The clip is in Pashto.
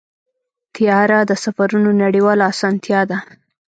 طیاره د سفرونو نړیواله اسانتیا ده.